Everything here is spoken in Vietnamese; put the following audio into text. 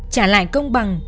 trả lại công bằng